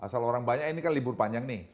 asal orang banyak ini kan libur panjang nih